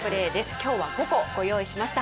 今日は５個ご用意しました。